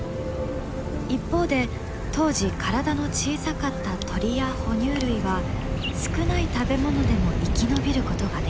一方で当時体の小さかった鳥や哺乳類は少ない食べ物でも生き延びることができた。